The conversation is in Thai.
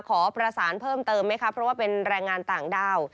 ขอประสานเพิ่มเติมไหมคะเพราะว่าเป็นแรงงานต่างด้าว